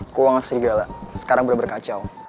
keuangan serigala sekarang bener bener kacau